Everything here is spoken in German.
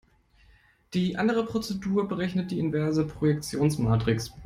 Die andere Prozedur berechnet die inverse Projektionsmatrix.